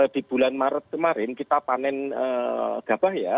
di bulan maret kemarin kita panen gabah ya